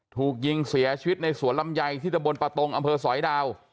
ถูกยิงเสียชีวิตในสวนลำไยที่ตะบนประตงอำเภอสอยดาว